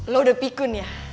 lo udah pikun ya